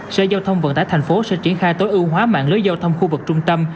sở giao thông vận tải thành phố sẽ triển khai tối ưu hóa mạng lưới giao thông khu vực trung tâm